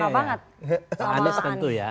pak anies tentu ya